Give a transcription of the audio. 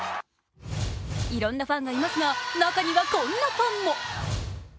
いろんなファンがいますが中にはこんなファンも。